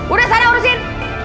udah sana urusin